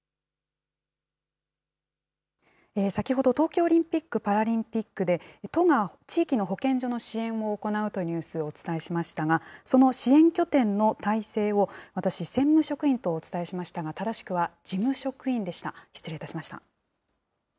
先ほど東京オリンピック・パラリンピックで、都が地域の保健所の支援を行うというニュースをお伝えしましたが、その支援拠点の体制を、私、専務職員とお伝えしましたが、正しくは、事務職員でした。